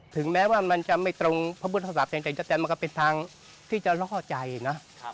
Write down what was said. ถึงแม้ว่ามันจะไม่ตรงพระพุทธศาสนามันก็เป็นทางที่จะล่อใจนะ